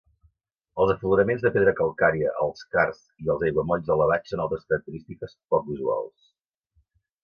Els afloraments de pedra calcària, els carsts i els aiguamolls elevats són altres característiques poc usuals.